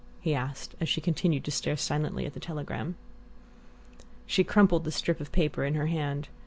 he asked, as she continued to stare silently at the telegram. She crumpled the strip of paper in her hand.